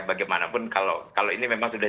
bagaimanapun kalau ini memang sudah